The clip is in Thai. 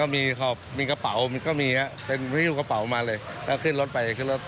มีบริการเลยค่ะ